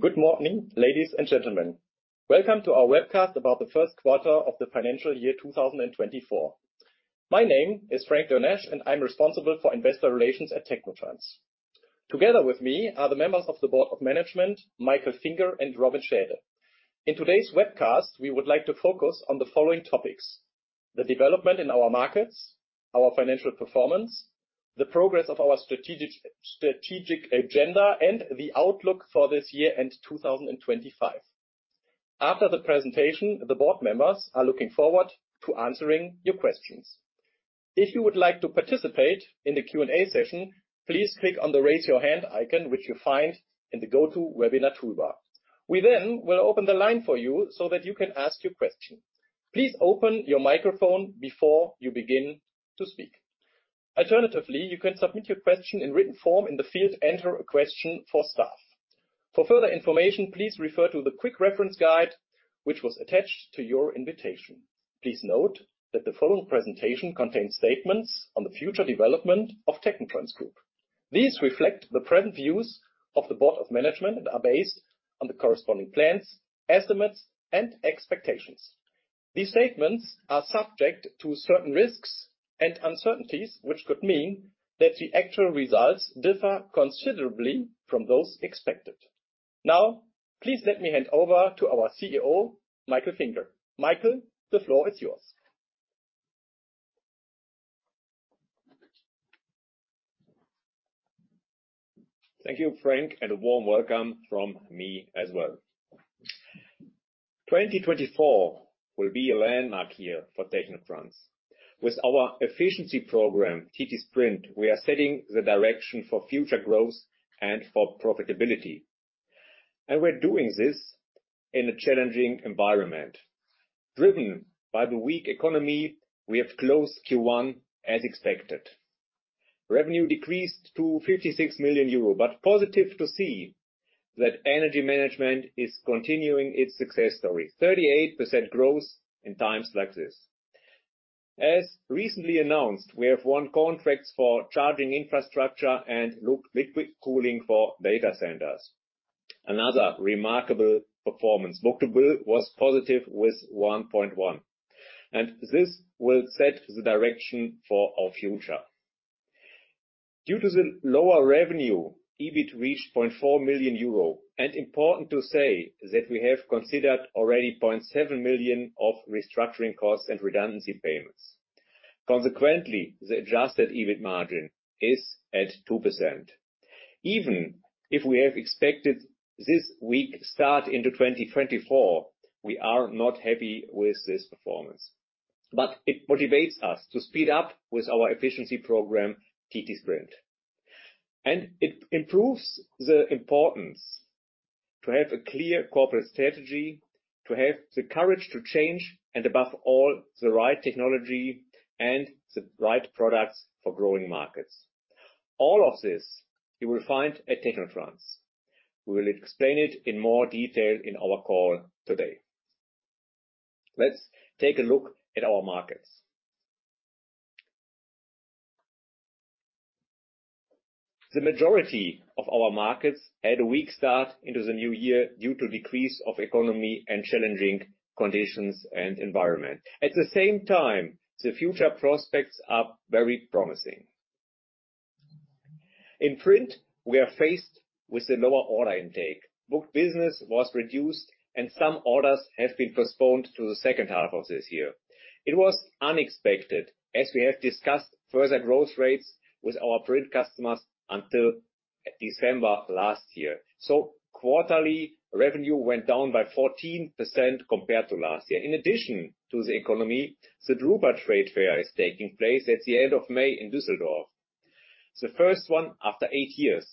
Good morning, ladies and gentlemen. Welcome to our webcast about the first quarter of the financial year 2024. My name is Frank Dernesch, and I'm responsible for investor relations at technotrans. Together with me are the members of the board of management, Michael Finger and Robin Schaede. In today's webcast, we would like to focus on the following topics: the development in our markets, our financial performance, the progress of our strategic agenda, and the outlook for this year and 2025. After the presentation, the board members are looking forward to answering your questions. If you would like to participate in the Q&A session, please click on the raise your hand icon, which you find in the GoToWebinar toolbar. We then will open the line for you so that you can ask your question. Please open your microphone before you begin to speak. Alternatively, you can submit your question in written form in the field "Enter a Question" for staff. For further information, please refer to the quick reference guide which was attached to your invitation. Please note that the following presentation contains statements on the future development of technotrans Group. These reflect the present views of the board of management and are based on the corresponding plans, estimates, and expectations. These statements are subject to certain risks and uncertainties, which could mean that the actual results differ considerably from those expected. Now, please let me hand over to our CEO, Michael Finger. Michael, the floor is yours. Thank you, Frank, and a warm welcome from me as well. 2024 will be a landmark year for technotrans. With our efficiency program, ttSprint, we are setting the direction for future growth and for profitability. We're doing this in a challenging environment. Driven by the weak economy, we have closed Q1 as expected. Revenue decreased to 56 million euro, but positive to see that energy management is continuing its success story, 38% growth in times like this. As recently announced, we have won contracts for charging infrastructure and liquid cooling for data centers. Another remarkable performance, multiple was positive with 1.1. This will set the direction for our future. Due to the lower revenue, EBIT reached 0.4 million euro. Important to say that we have considered already 0.7 million of restructuring costs and redundancy payments. Consequently, the adjusted EBIT margin is at 2%. Even if we have expected this week start into 2024, we are not happy with this performance. It motivates us to speed up with our efficiency program, ttSprint. It improves the importance to have a clear corporate strategy, to have the courage to change, and above all, the right technology and the right products for growing markets. All of this you will find at technotrans. We will explain it in more detail in our call today. Let's take a look at our markets. The majority of our markets had a weak start into the new year due to decrease of economy and challenging conditions and environment. At the same time, the future prospects are very promising. In print, we are faced with a lower order intake. Booked business was reduced, and some orders have been postponed to the second half of this year. It was unexpected, as we have discussed further growth rates with our print customers until December last year. So quarterly, revenue went down by 14% compared to last year. In addition to the economy, the Drupa trade fair is taking place at the end of May in Düsseldorf, the first one after eight years.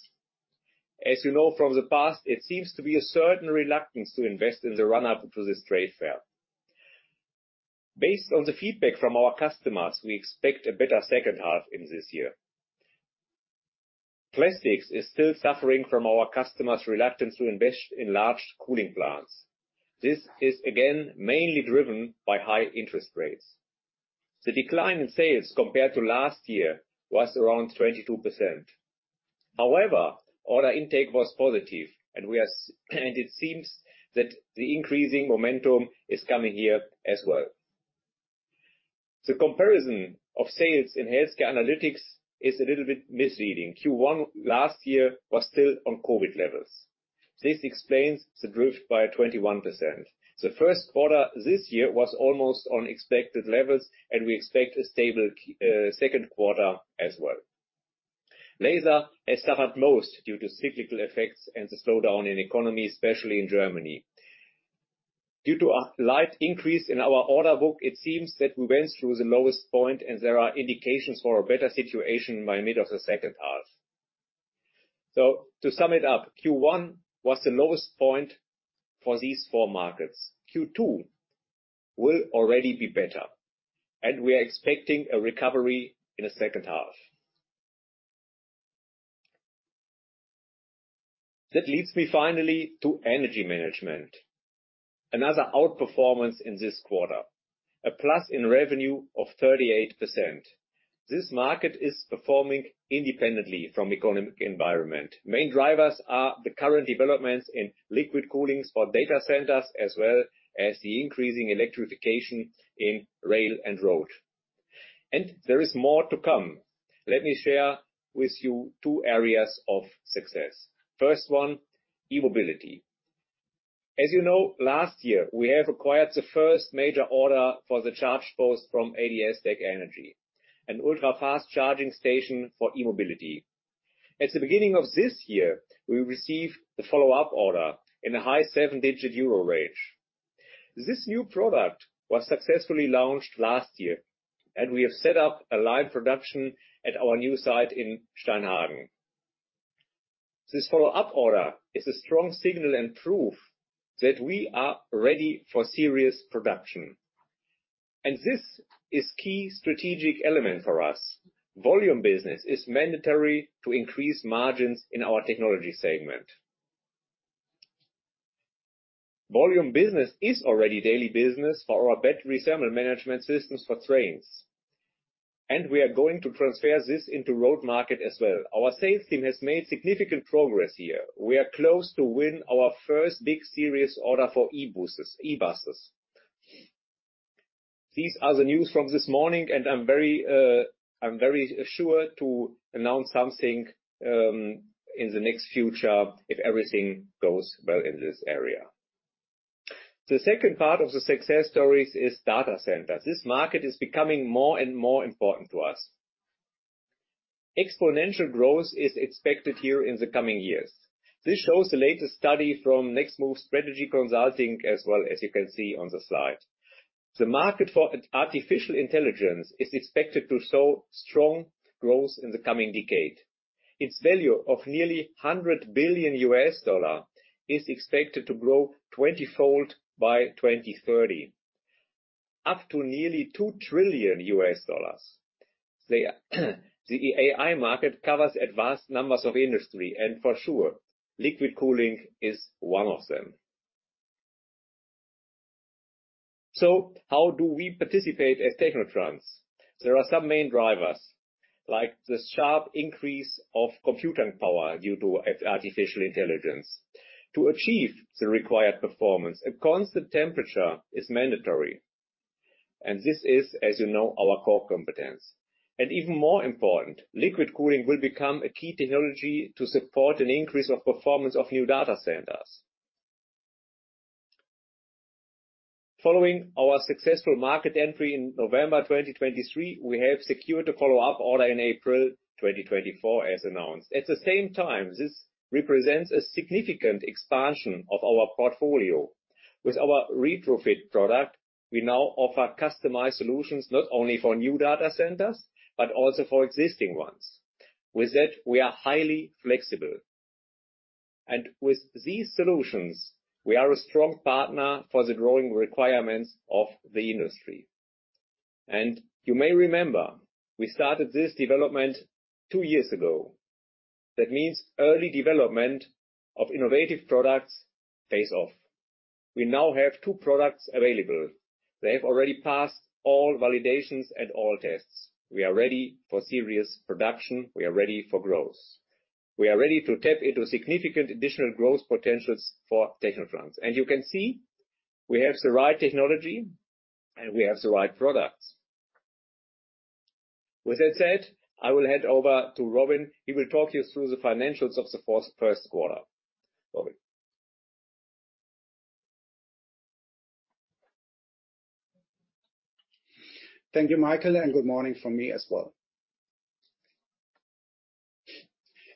As you know from the past, it seems to be a certain reluctance to invest in the run-up to this trade fair. Based on the feedback from our customers, we expect a better second half in this year. Plastics is still suffering from our customers' reluctance to invest in large cooling plants. This is again mainly driven by high interest rates. The decline in sales compared to last year was around 22%. However, order intake was positive, and it seems that the increasing momentum is coming here as well. The comparison of sales in healthcare analytics is a little bit misleading. Q1 last year was still on COVID levels. This explains the drift by 21%. The first quarter this year was almost on expected levels, and we expect a stable second quarter as well. Laser has suffered most due to cyclical effects and the slowdown in economy, especially in Germany. Due to a slight increase in our order book, it seems that we went through the lowest point, and there are indications for a better situation by mid of the second half. So to sum it up, Q1 was the lowest point for these four markets. Q2 will already be better, and we are expecting a recovery in the second half. That leads me finally to energy management. Another outperformance in this quarter, a plus in revenue of 38%. This market is performing independently from the economic environment. Main drivers are the current developments in liquid cooling for data centers as well as the increasing electrification in rail and road. There is more to come. Let me share with you two areas of success. First one, e-mobility. As you know, last year, we have acquired the first major order for the ChargePost from ADS-TEC Energy, an ultra-fast charging station for e-mobility. At the beginning of this year, we received the follow-up order in a high seven-digit EUR range. This new product was successfully launched last year, and we have set up a live production at our new site in Steinhagen. This follow-up order is a strong signal and proof that we are ready for series production. This is a key strategic element for us. Volume business is mandatory to increase margins in our technology segment. Volume business is already daily business for our battery thermal management systems for trains. We are going to transfer this into the road market as well. Our sales team has made significant progress here. We are close to winning our first big series order for e-buses. These are the news from this morning, and I'm very sure to announce something in the next future if everything goes well in this area. The second part of the success stories is data centers. This market is becoming more and more important to us. Exponential growth is expected here in the coming years. This shows the latest study from Next Move Strategy Consulting, as well as you can see on the slide. The market for artificial intelligence is expected to show strong growth in the coming decade. Its value of nearly $100 billion is expected to grow 20-fold by 2030, up to nearly $2 trillion. The AI market covers advanced numbers of industry, and for sure, liquid cooling is one of them. So how do we participate as technotrans? There are some main drivers, like the sharp increase of computing power due to artificial intelligence. To achieve the required performance, a constant temperature is mandatory. And this is, as you know, our core competence. And even more important, liquid cooling will become a key technology to support an increase of performance of new data centers. Following our successful market entry in November 2023, we have secured a follow-up order in April 2024, as announced. At the same time, this represents a significant expansion of our portfolio. With our retrofit product, we now offer customized solutions not only for new data centers, but also for existing ones. With that, we are highly flexible. With these solutions, we are a strong partner for the growing requirements of the industry. You may remember, we started this development two years ago. That means early development of innovative products phase one. We now have two products available. They have already passed all validations and all tests. We are ready for series production. We are ready for growth. We are ready to tap into significant additional growth potentials for technotrans. You can see we have the right technology, and we have the right products. With that said, I will hand over to Robin. He will talk you through the financials of the first quarter. Robin. Thank you, Michael, and good morning from me as well.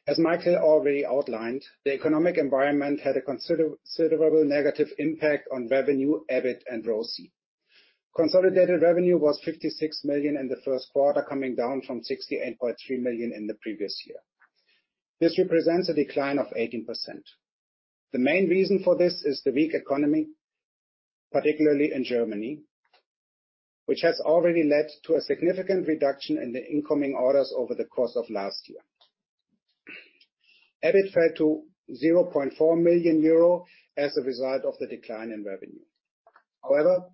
As Michael already outlined, the economic environment had a considerable negative impact on revenue, EBIT, and ROCE. Consolidated revenue was 56 million in the first quarter, coming down from 68.3 million in the previous year. This represents a decline of 18%. The main reason for this is the weak economy, particularly in Germany, which has already led to a significant reduction in the incoming orders over the course of last year. EBIT fell to 0.4 million euro as a result of the decline in revenue. However,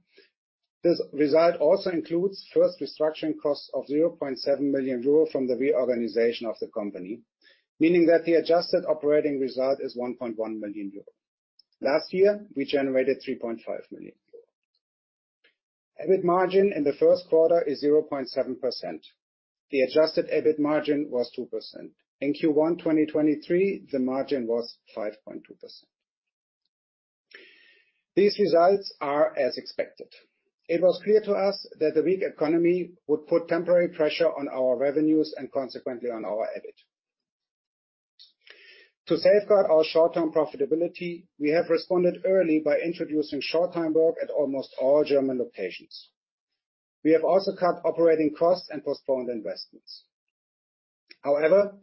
this result also includes first restructuring costs of 0.7 million euro from the reorganization of the company, meaning that the adjusted operating result is 1.1 million euro. Last year, we generated 3.5 million. EBIT margin in the first quarter is 0.7%. The adjusted EBIT margin was 2%. In Q1 2023, the margin was 5.2%. These results are as expected. It was clear to us that the weak economy would put temporary pressure on our revenues and consequently on our EBIT. To safeguard our short-term profitability, we have responded early by introducing short-term work at almost all German locations. We have also cut operating costs and postponed investments. However,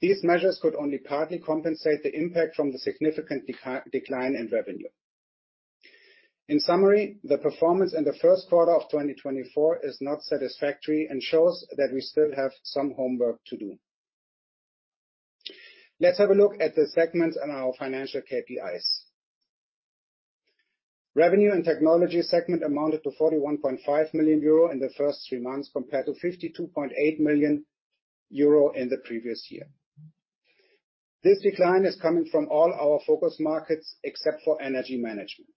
these measures could only partly compensate the impact from the significant decline in revenue. In summary, the performance in the first quarter of 2024 is not satisfactory and shows that we still have some homework to do. Let's have a look at the segments and our financial KPIs. Revenue and technology segment amounted to 41.5 million euro in the first three months compared to 52.8 million euro in the previous year. This decline is coming from all our focus markets except for energy management.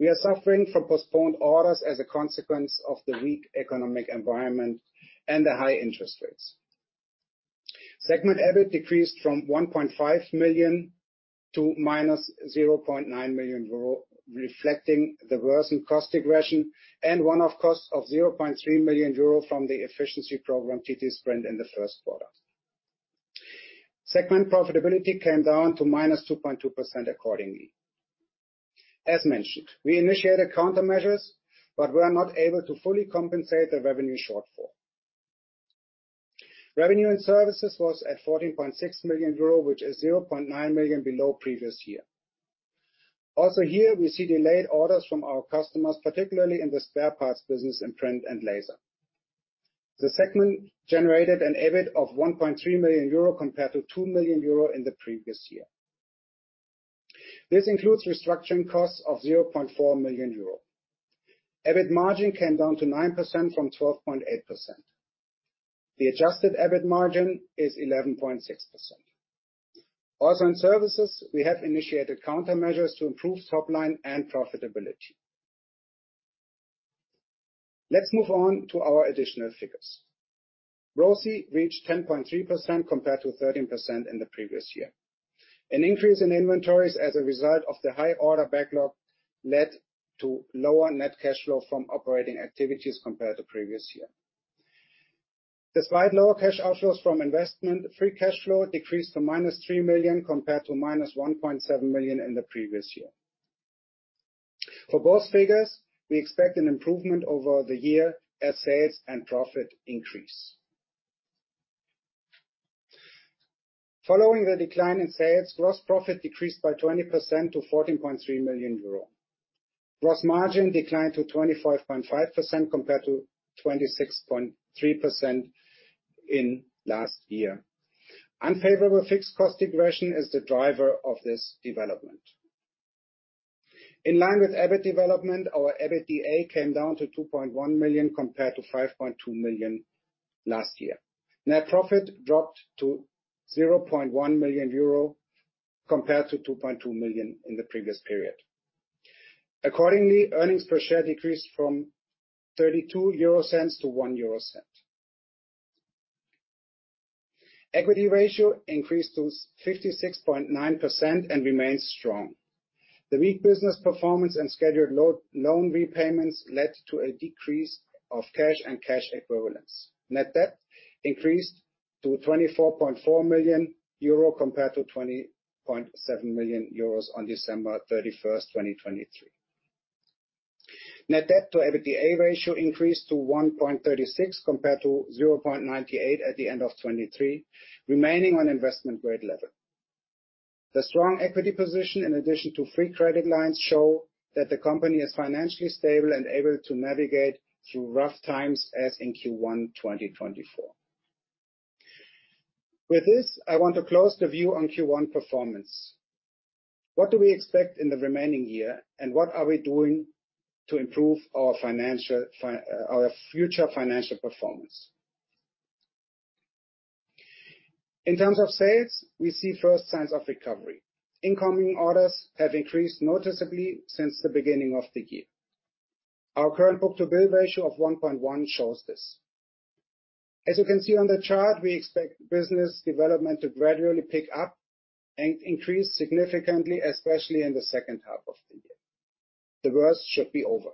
We are suffering from postponed orders as a consequence of the weak economic environment and the high interest rates. Segment EBIT decreased from 1.5 million-0.9 million euro, reflecting the worsened cost regression and one-off costs of 0.3 million euro from the efficiency program, ttSprint, in the first quarter. Segment profitability came down to -2.2% accordingly. As mentioned, we initiated countermeasures, but we are not able to fully compensate the revenue shortfall. Revenue and services was at 14.6 million euro, which is 0.9 million below previous year. Also here, we see delayed orders from our customers, particularly in the spare parts business in print and laser. The segment generated an EBIT of 1.3 million euro compared to 2 million euro in the previous year. This includes restructuring costs of 0.4 million euro. EBIT margin came down to 9% from 12.8%. The adjusted EBIT margin is 11.6%. Also in services, we have initiated countermeasures to improve topline and profitability. Let's move on to our additional figures. ROCE reached 10.3% compared to 13% in the previous year. An increase in inventories as a result of the high order backlog led to lower net cash flow from operating activities compared to previous year. Despite lower cash outflows from investment, free cash flow decreased to -3 million compared to -1.7 million in the previous year. For both figures, we expect an improvement over the year as sales and profit increase. Following the decline in sales, gross profit decreased by 20% to 14.3 million euro. Gross margin declined to 25.5% compared to 26.3% in last year. Unfavorable fixed cost regression is the driver of this development. In line with EBIT development, our EBITDA came down to 2.1 million compared to 5.2 million last year. Net profit dropped to 0.1 million euro compared to 2.2 million in the previous period. Accordingly, earnings per share decreased from 0.32-0.01 euro. Equity ratio increased to 56.9% and remains strong. The weak business performance and scheduled loan repayments led to a decrease of cash and cash equivalents. Net debt increased to 24.4 million euro compared to 20.7 million euros on December 31st, 2023. Net debt to EBITDA ratio increased to 1.36 compared to 0.98 at the end of 2023, remaining on investment grade level. The strong equity position, in addition to free credit lines, shows that the company is financially stable and able to navigate through rough times as in Q1 2024. With this, I want to close the view on Q1 performance. What do we expect in the remaining year, and what are we doing to improve our future financial performance? In terms of sales, we see first signs of recovery. Incoming orders have increased noticeably since the beginning of the year. Our current book-to-bill ratio of 1.1 shows this. As you can see on the chart, we expect business development to gradually pick up and increase significantly, especially in the second half of the year. The worst should be over.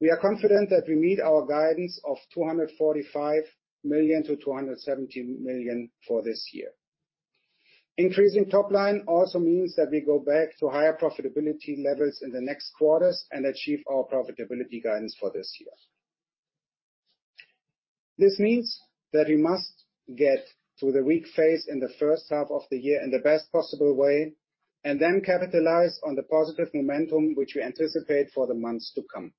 We are confident that we meet our guidance of 245 million-270 million for this year. Increasing topline also means that we go back to higher profitability levels in the next quarters and achieve our profitability guidance for this year. This means that we must get through the weak phase in the first half of the year in the best possible way and then capitalize on the positive momentum, which we anticipate for the months to come.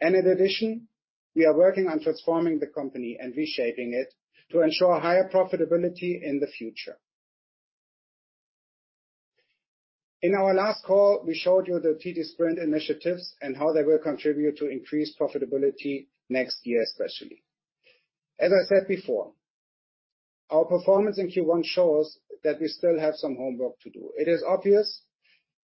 In addition, we are working on transforming the company and reshaping it to ensure higher profitability in the future. In our last call, we showed you the ttSprint initiatives and how they will contribute to increased profitability next year, especially. As I said before, our performance in Q1 shows that we still have some homework to do. It is obvious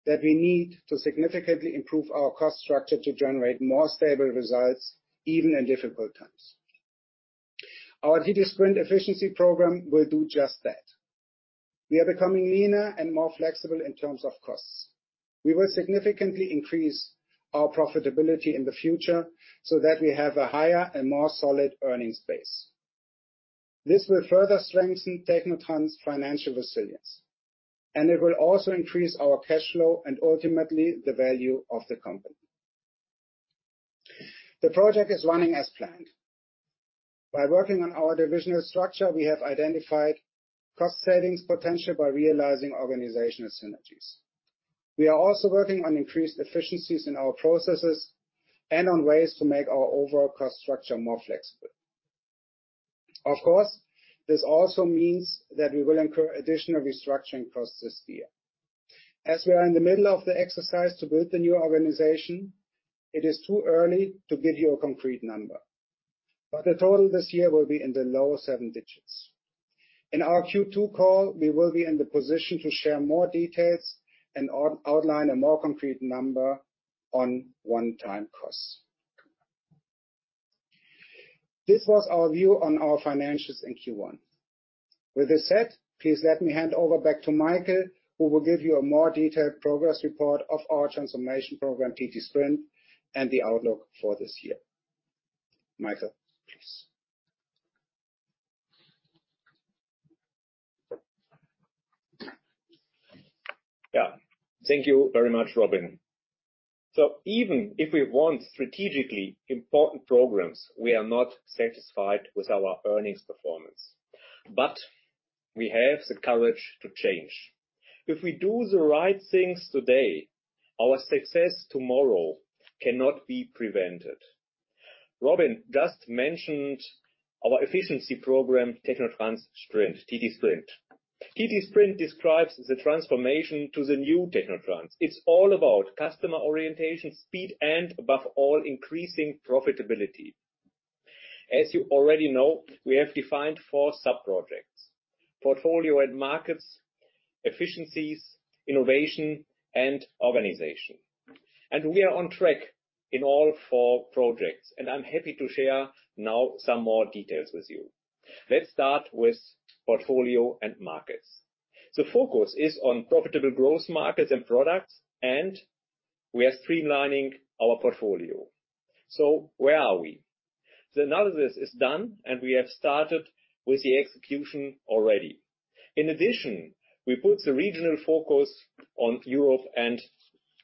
that we need to significantly improve our cost structure to generate more stable results, even in difficult times. Our ttSprint efficiency program will do just that. We are becoming leaner and more flexible in terms of costs. We will significantly increase our profitability in the future so that we have a higher and more solid earnings base. This will further strengthen technotrans' financial resilience, and it will also increase our cash flow and ultimately the value of the company. The project is running as planned. By working on our divisional structure, we have identified cost savings potential by realizing organizational synergies. We are also working on increased efficiencies in our processes and on ways to make our overall cost structure more flexible. Of course, this also means that we will incur additional restructuring costs this year. As we are in the middle of the exercise to build the new organization, it is too early to give you a concrete number. But the total this year will be in the lower seven digits. In our Q2 call, we will be in the position to share more details and outline a more concrete number on one-time costs. This was our view on our financials in Q1. With that said, please let me hand over back to Michael, who will give you a more detailed progress report of our transformation program, ttSprint, and the outlook for this year. Michael, please. Yeah. Thank you very much, Robin. So even if we want strategically important programs, we are not satisfied with our earnings performance. But we have the courage to change. If we do the right things today, our success tomorrow cannot be prevented. Robin just mentioned our efficiency program, technotrans Sprint, ttSprint. ttSprint describes the transformation to the new technotrans. It's all about customer orientation, speed, and above all, increasing profitability. As you already know, we have defined four subprojects: portfolio and markets, efficiencies, innovation, and organization. And we are on track in all four projects. And I'm happy to share now some more details with you. Let's start with portfolio and markets. The focus is on profitable growth markets and products, and we are streamlining our portfolio. So where are we? The analysis is done, and we have started with the execution already. In addition, we put the regional focus on Europe and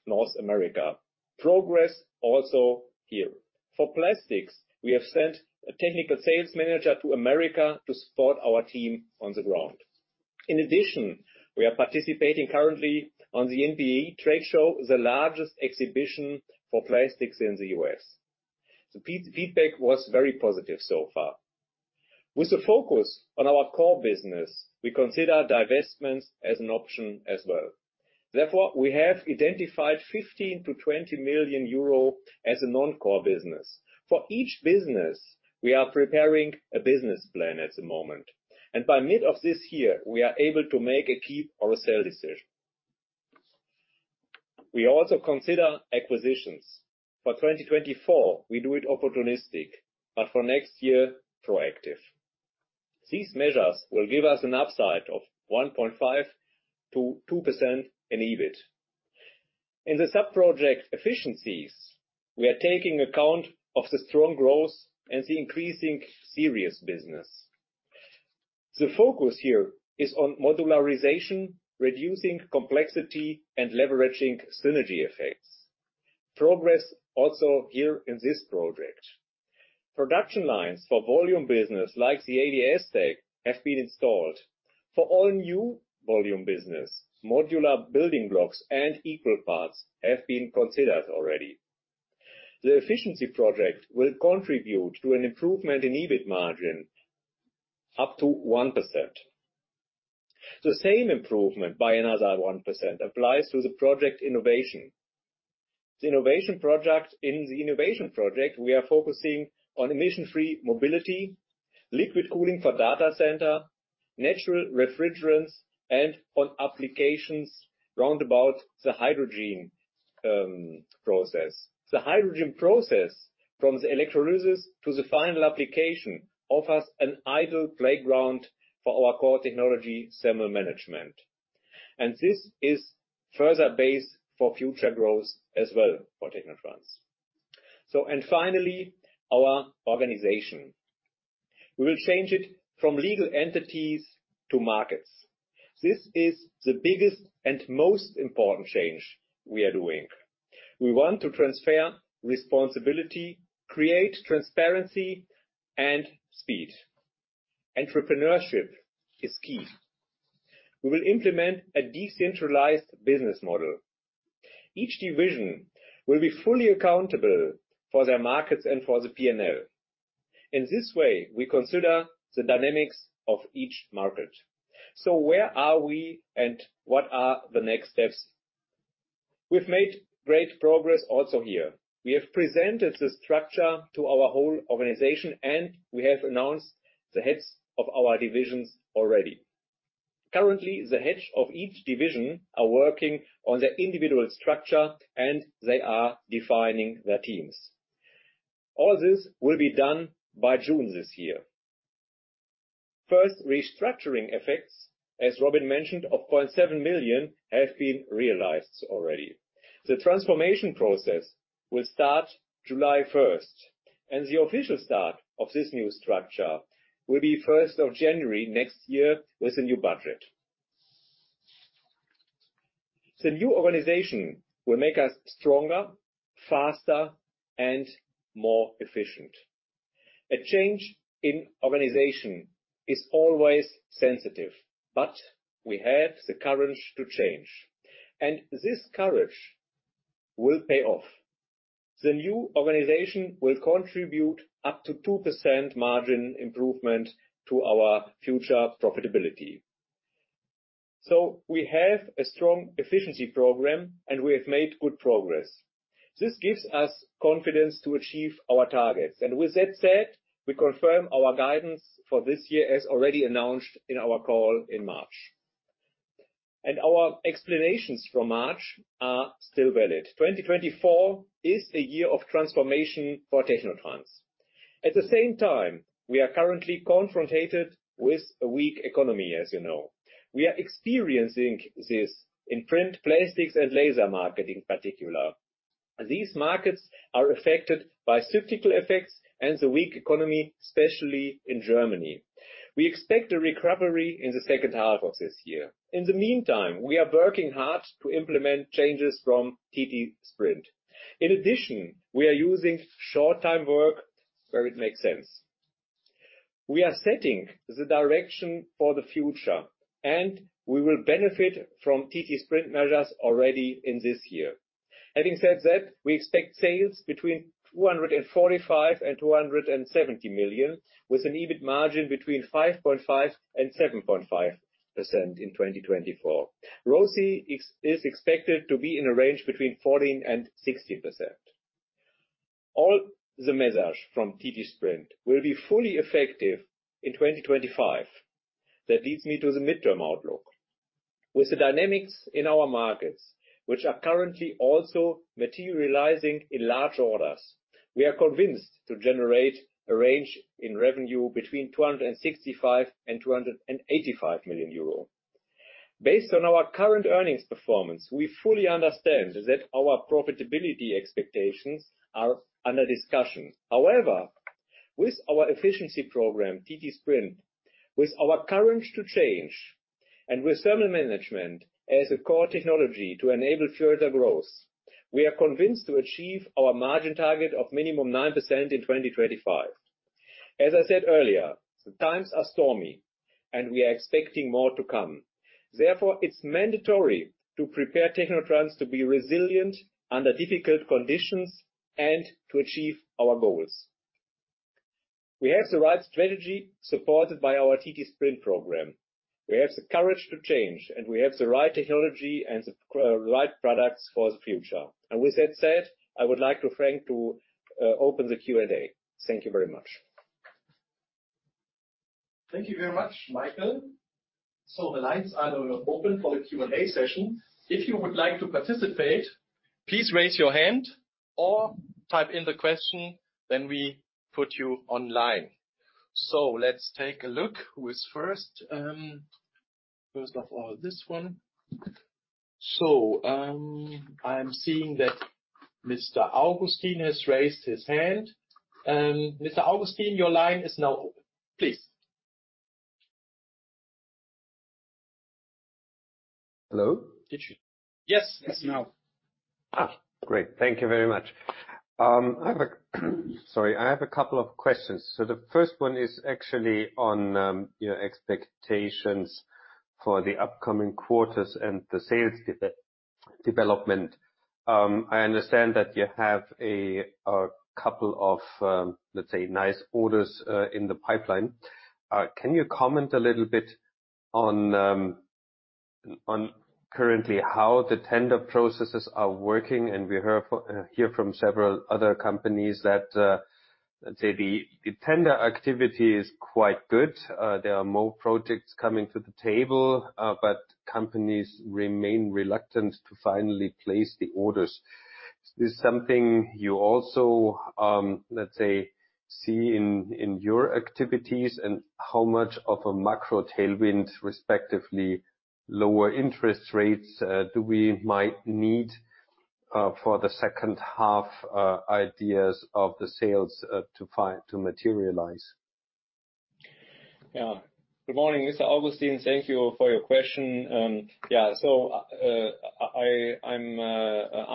North America, progress also here. For plastics, we have sent a technical sales manager to America to support our team on the ground. In addition, we are participating currently on the NPE, the largest exhibition for plastics in the U.S. The feedback was very positive so far. With the focus on our core business, we consider divestments as an option as well. Therefore, we have identified 15 million-20 million euro as a non-core business. For each business, we are preparing a business plan at the moment. By mid of this year, we are able to make a keep or a sell decision. We also consider acquisitions. For 2024, we do it opportunistic, but for next year, proactive. These measures will give us an upside of 1.5%-2% in EBIT. In the subproject efficiencies, we are taking account of the strong growth and the increasingly series business. The focus here is on modularization, reducing complexity, and leveraging synergy effects. Progress also here in this project. Production lines for volume business like the ADS-TEC have been installed. For all new volume business, modular building blocks and equal parts have been considered already. The efficiency project will contribute to an improvement in EBIT margin up to 1%. The same improvement by another 1% applies to the project innovation. In the innovation project, we are focusing on emission-free mobility, liquid cooling for data center, natural refrigerants, and on applications round about the hydrogen process. The hydrogen process from the electrolysis to the final application offers an ideal playground for our core technology thermal management. And this is further basis for future growth as well for technotrans. And finally, our organization. We will change it from legal entities to markets. This is the biggest and most important change we are doing. We want to transfer responsibility, create transparency, and speed. Entrepreneurship is key. We will implement a decentralized business model. Each division will be fully accountable for their markets and for the P&L. In this way, we consider the dynamics of each market. So where are we, and what are the next steps? We've made great progress also here. We have presented the structure to our whole organization, and we have announced the heads of our divisions already. Currently, the heads of each division are working on their individual structure, and they are defining their teams. All this will be done by June this year. First, restructuring effects, as Robin mentioned, of 0.7 million have been realized already. The transformation process will start July 1st. The official start of this new structure will be 1st of January next year with a new budget. The new organization will make us stronger, faster, and more efficient. A change in organization is always sensitive, but we have the courage to change. This courage will pay off. The new organization will contribute up to 2% margin improvement to our future profitability. We have a strong efficiency program, and we have made good progress. This gives us confidence to achieve our targets. With that said, we confirm our guidance for this year as already announced in our call in March. Our explanations from March are still valid. 2024 is a year of transformation for technotrans. At the same time, we are currently confronted with a weak economy, as you know. We are experiencing this in print, plastics, and laser market in particular. These markets are affected by cyclical effects and the weak economy, especially in Germany. We expect a recovery in the second half of this year. In the meantime, we are working hard to implement changes from ttSprint. In addition, we are using short-time work where it makes sense. We are setting the direction for the future, and we will benefit from ttSprint measures already in this year. Having said that, we expect sales between 245 million and 270 million with an EBIT margin between 5.5% and 7.5% in 2024. ROCE is expected to be in a range between 14% and 16%. All the measures from ttSprint will be fully effective in 2025. That leads me to the midterm outlook. With the dynamics in our markets, which are currently also materializing in large orders, we are convinced to generate a range in revenue between 265 million and 285 million euro. Based on our current earnings performance, we fully understand that our profitability expectations are under discussion. However, with our efficiency program, ttSprint, with our courage to change, and with thermal management as a core technology to enable further growth, we are convinced to achieve our margin target of minimum 9% in 2025. As I said earlier, the times are stormy, and we are expecting more to come. Therefore, it's mandatory to prepare technotrans to be resilient under difficult conditions and to achieve our goals. We have the right strategy supported by our ttSprint program. We have the courage to change, and we have the right technology and the right products for the future. And with that said, I would like to thank to open the Q&A. Thank you very much. Thank you very much, Michael. So the lines are now open for the Q&A session. If you would like to participate, please raise your hand or type in the question. Then we put you online. So let's take a look with first of all, this one. So I'm seeing that Mr. Augustin has raised his hand. Mr. Augustin, your line is now open. Please. Hello? Did you? Yes. It's now. Great. Thank you very much. Sorry. I have a couple of questions. So the first one is actually on your expectations for the upcoming quarters and the sales development. I understand that you have a couple of, let's say, nice orders in the pipeline. Can you comment a little bit on currently how the tender processes are working? And we hear from several other companies that, let's say, the tender activity is quite good. There are more projects coming to the table, but companies remain reluctant to finally place the orders. Is this something you also, let's say, see in your activities? And how much of a macro tailwind, respectively, lower interest rates do we might need for the second half ideas of the sales to materialize? Yeah. Good morning, Mr. Augustin. Thank you for your question. Yeah. So I'm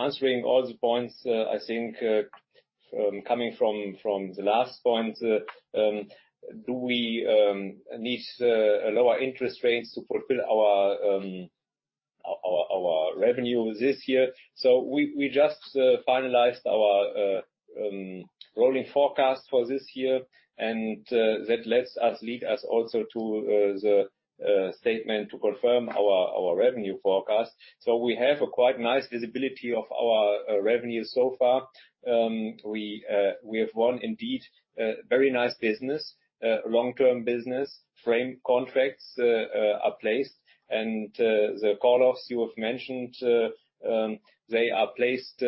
answering all the points, I think, coming from the last point. Do we need lower interest rates to fulfill our revenue this year? So we just finalized our rolling forecast for this year. And that lets us lead us also to the statement to confirm our revenue forecast. So we have quite nice visibility of our revenue so far. We have won indeed very nice business, long-term business frame contracts are placed. And the call-offs you have mentioned, they are placed,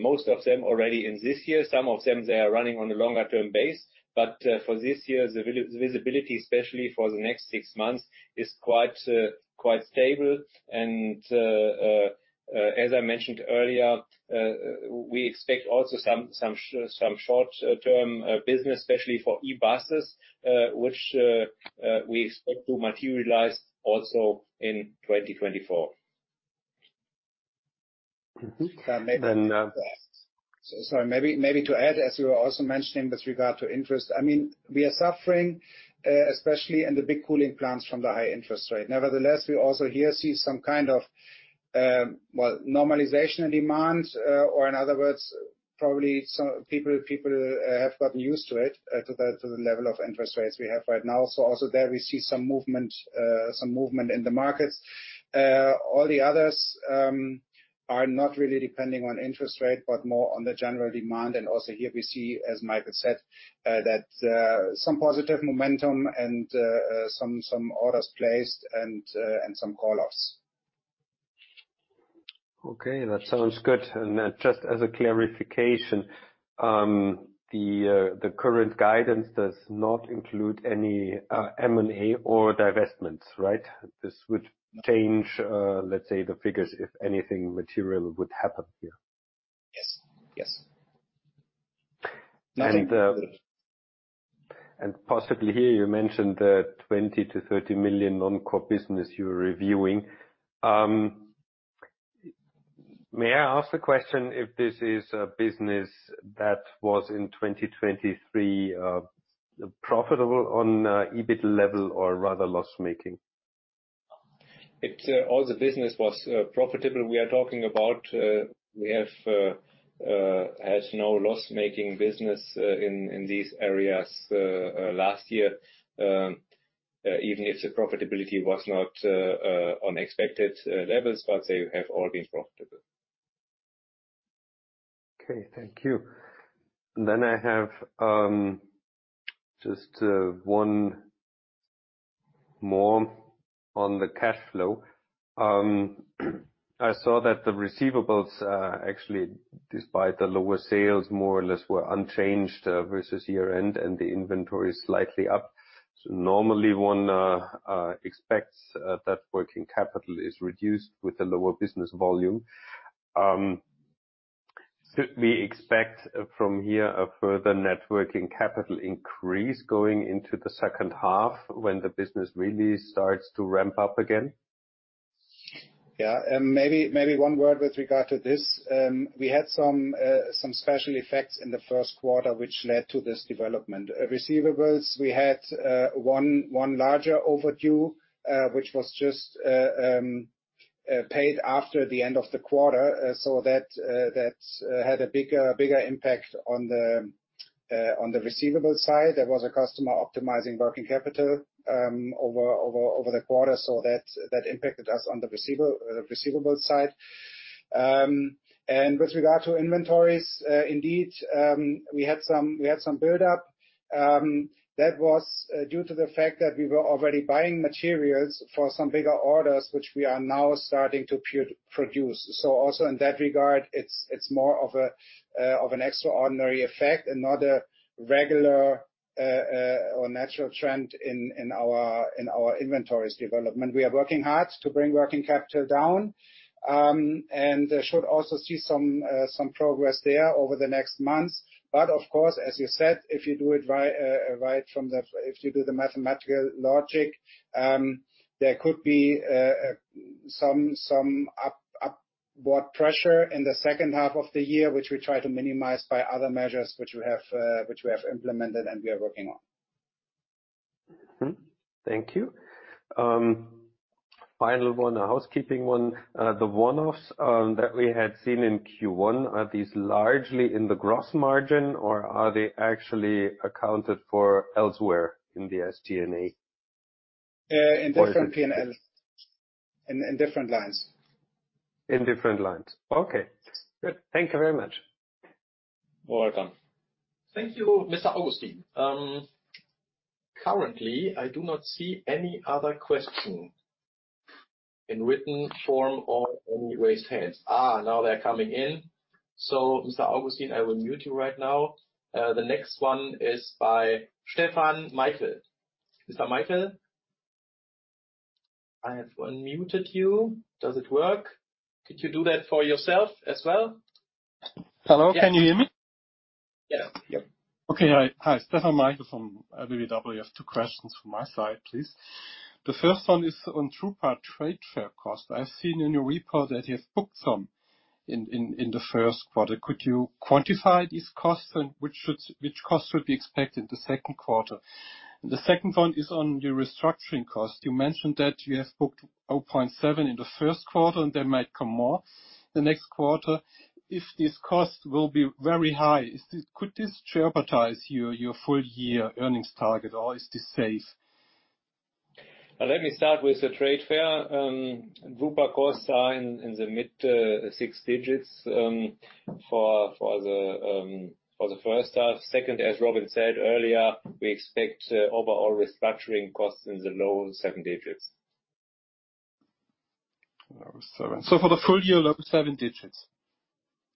most of them already in this year. Some of them, they are running on a longer-term base. But for this year, the visibility, especially for the next six months, is quite stable. And as I mentioned earlier, we expect also some short-term business, especially for e-buses, which we expect to materialize also in 2024. Then- Sorry. Maybe to add, as you were also mentioning with regard to interest, I mean, we are suffering, especially in the big cooling plants from the high interest rate. Nevertheless, we also here see some kind of, well, normalization in demand. Or in other words, probably people have gotten used to it, to the level of interest rates we have right now. So also there, we see some movement in the markets. All the others are not really depending on interest rate, but more on the general demand. And also here, we see, as Michael said, that some positive momentum and some orders placed and some call-offs. Okay. That sounds good. Just as a clarification, the current guidance does not include any M&A or divestments, right? This would change, let's say, the figures if anything material would happen here. Yes. Yes. Possibly here, you mentioned the 20 million-30 million non-core business you're reviewing. May I ask the question if this is a business that was in 2023 profitable on EBIT level or rather loss-making? All the business was profitable, we are talking about. We have had no loss-making business in these areas last year, even if the profitability was not on expected levels. But they have all been profitable. Okay. Thank you. Then I have just one more on the cash flow. I saw that the receivables, actually, despite the lower sales, more or less were unchanged versus year-end, and the inventory is slightly up. So normally, one expects that working capital is reduced with the lower business volume. Should we expect from here a further net working capital increase going into the second half when the business really starts to ramp up again? Yeah. Maybe one word with regard to this. We had some special effects in the first quarter, which led to this development. Receivables, we had one larger overdue, which was just paid after the end of the quarter. So that had a bigger impact on the receivable side. There was a customer optimizing working capital over the quarter. So that impacted us on the receivable side. And with regard to inventories, indeed, we had some buildup. That was due to the fact that we were already buying materials for some bigger orders, which we are now starting to produce. So also in that regard, it's more of an extraordinary effect and not a regular or natural trend in our inventories development. We are working hard to bring working capital down and should also see some progress there over the next months. But of course, as you said, if you do the mathematical logic, there could be some upward pressure in the second half of the year, which we try to minimize by other measures which we have implemented and we are working on. Thank you. Final one, a housekeeping one. The one-offs that we had seen in Q1, are these largely in the gross margin, or are they actually accounted for elsewhere in the SG&A? In different P&Ls. In different lines. In different lines. Okay. Good. Thank you very much. You're welcome. Thank you, Mr. Augustin. Currently, I do not see any other question in written form or any raised hands. Now they're coming in. So Mr. Augustin, I will mute you right now. The next one is by Stefan Maichl. Mr. Maichl? I have unmuted you. Does it work? Could you do that for yourself as well? Hello. Can you hear me? Yes. Yep. Okay. Hi. Hi, Stefan Maichl from LBBW. Two questions from my side, please. The first one is on Drupa trade fair cost. I've seen in your report that you have booked some in the first quarter. Could you quantify these costs and which costs should be expected in the second quarter? And the second one is on your restructuring cost. You mentioned that you have booked 0.7 million in the first quarter, and there might come more in the next quarter. If these costs will be very high, could this jeopardize your full-year earnings target, or is this safe? Let me start with the trade fair. Report costs are in the mid-six digits EUR for the first half. Second, as Robin said earlier, we expect overall restructuring costs in the low seven digits EUR. Low seven. So for the full year, low seven digits?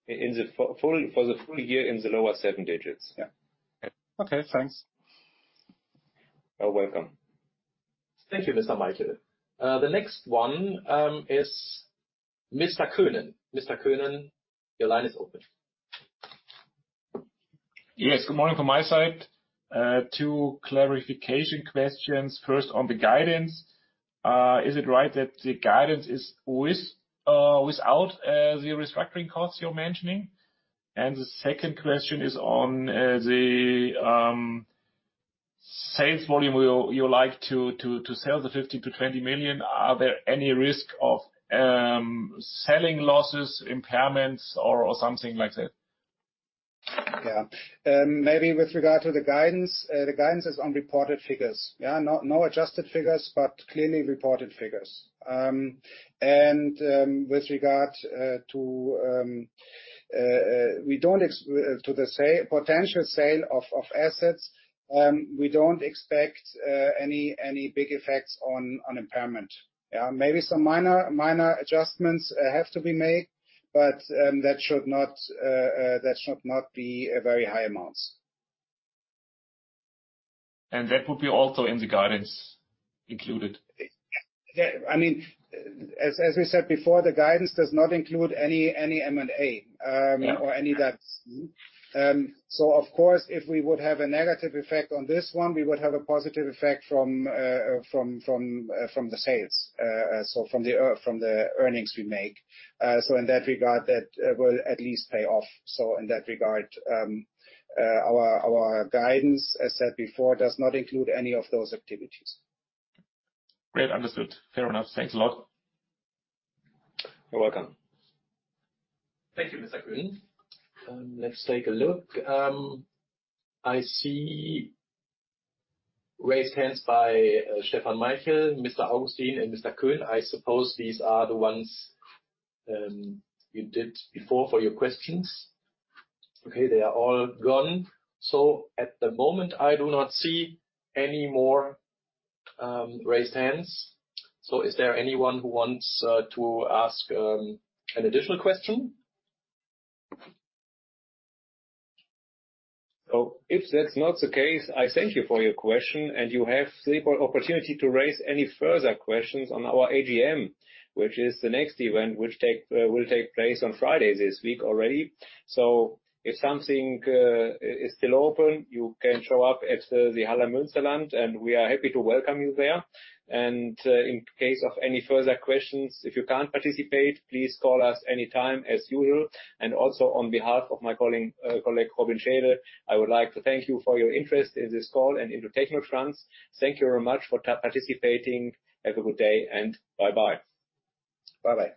In the full year, in the lower seven digits. Yeah. Okay. Thanks. You're welcome. Thank you, Mr. Maichl. The next one is Mr. Könen. Mr. Könen, your line is open. Yes. Good morning from my side. Two clarification questions. First, on the guidance. Is it right that the guidance is without the restructuring costs you're mentioning? And the second question is on the sales volume. You like to sell the 15 million-20 million. Are there any risk of selling losses, impairments, or something like that? Yeah. Maybe with regard to the guidance, the guidance is on reported figures. Yeah. No adjusted figures, but clearly reported figures. And with regard to the potential sale of assets, we don't expect any big effects on impairment. Yeah. Maybe some minor adjustments have to be made, but that should not be very high amounts. That would be also in the guidance included? I mean, as we said before, the guidance does not include any M&A or any divestment. So of course, if we would have a negative effect on this one, we would have a positive effect from the sales, so from the earnings we make. So in that regard, that will at least pay off. So in that regard, our guidance, as said before, does not include any of those activities. Great. Understood. Fair enough. Thanks a lot. You're welcome. Thank you, Mr. Könen. Let's take a look. I see raised hands by Stefan Maichl, Mr. Augustin, and Mr. Könen. I suppose these are the ones you did before for your questions. Okay. They are all gone. So at the moment, I do not see any more raised hands. So is there anyone who wants to ask an additional question? So if that's not the case, I thank you for your question. You have the opportunity to raise any further questions on our AGM, which is the next event, which will take place on Friday this week already. If something is still open, you can show up at the Halle Münsterland, and we are happy to welcome you there. In case of any further questions, if you can't participate, please call us anytime as usual. Also on behalf of my colleague Robin Schaede, I would like to thank you for your interest in this call and into technotrans. Thank you very much for participating. Have a good day, and bye-bye. Bye-bye.